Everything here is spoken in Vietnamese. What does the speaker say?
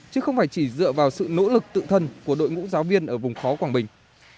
chứ không phải chỉ dựa vào sự nỗ lực tự thân của đội ngũ giáo viên ở vùng khó quảng bình